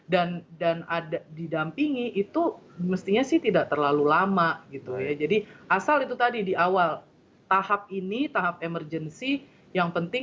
dan didampingi itu mestinya sih tidak terlalu lama gitu ya jadi asal itu tadi di awal tahap ini tahap emergensi